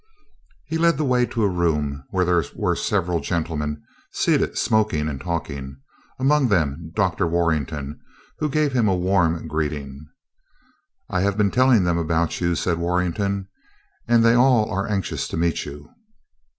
He led the way to a room where there were several gentlemen seated smoking and talking, among them Dr. Warrenton, who gave him a warm greeting. "I have been telling them about you," said Warrenton, "and they are all anxious to meet you."